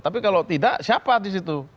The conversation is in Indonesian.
tapi kalau tidak siapa di situ